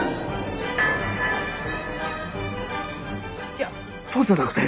いやそうじゃなくて。